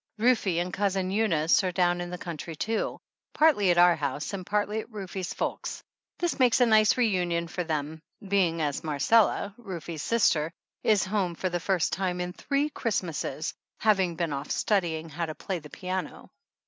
Rufe and Cousin Eunice are down in the coun try too, partly at our house and partly at Rufe's folks'. This makes a nice reunion for 104. THE ANNALS OF ANN them, being as Marcella, Rufe's sister, is home for the first time in three Christmases, having been off studying how to play on the piano.